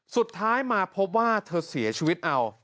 สุดท้ายมาพบว่าเธอเสียชีวิตเอา